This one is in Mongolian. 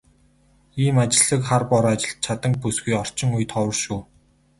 Ийм ажилсаг, хар бор ажилд чаданги бүсгүй орчин үед ховор шүү.